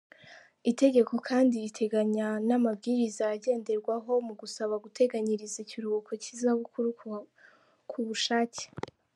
itegeko kandi riteganya n’amabwiriza agenderwaho mu gusaba guteganyiriza ikiruhuko cy’izabukuru ku bushake.